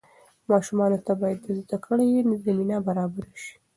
ماشومانو ته باید د زده کړې زمینه برابره سي.